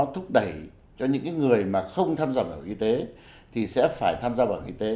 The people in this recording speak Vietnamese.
thúc đẩy cho những người mà không tham gia bảo hiểm y tế thì sẽ phải tham gia bảo hiểm y tế